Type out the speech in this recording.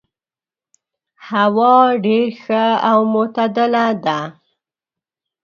هوا ډېر ښه او معتدل ده.